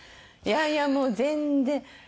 いやいやもう全然。